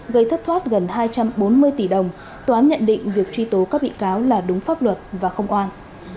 gần hai trăm bốn mươi tỷ đồng tòa án nhận định việc truy tố các bị cáo là đúng pháp luật và không oan